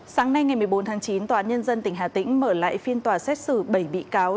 sáng nay ngày một mươi bốn tháng chín tòa án nhân dân tỉnh hà tĩnh mở lại phiên tòa xét xử bảy bị cáo